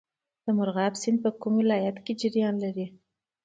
د مرغاب سیند په کوم ولایت کې جریان لري؟